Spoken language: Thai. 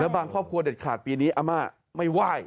บางครอบครัวเด็ดขาดปีนี้อาม่าไม่ไหว้